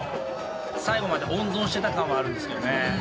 最後まで温存してた感はあるんですけどね。